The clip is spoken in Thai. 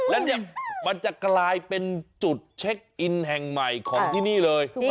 แล้วเนี่ยมันจะกลายเป็นจุดเช็คอินแห่งใหม่ของที่นี่เลย